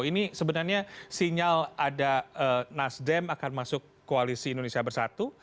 ini sebenarnya sinyal ada nasdem akan masuk koalisi indonesia bersatu